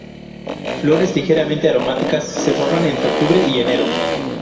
Flores ligeramente aromáticas se forman entre octubre y enero.